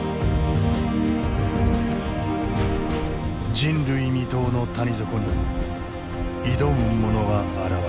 人類未踏の谷底に挑む者が現れた。